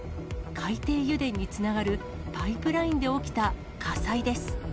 海底油田につながるパイプラインで起きた火災です。